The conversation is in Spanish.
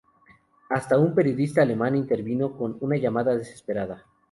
Hasta un periodista alemán intervino con una llamada desesperada.